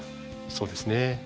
そうですね。